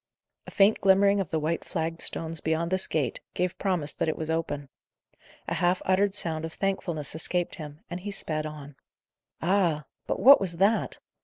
A faint glimmering of the white flagged stones beyond this gate, gave promise that it was open. A half uttered sound of thankfulness escaped him, and he sped on. Ah! but what was that?